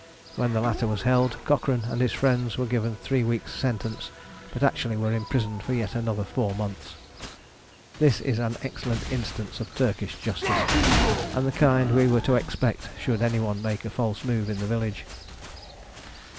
When the latter was held, Cochrane and his friends were given a three weeks' sentence, but actually were imprisoned for yet another four months. This is an excellent instance of Turkish justice, and the kind we were to expect should any one make a false move in the village.